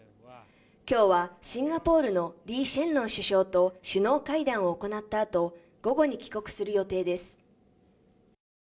今日はシンガポールのリー・シェンロン首相と首脳会談を行ったあと午後に帰国する予定です。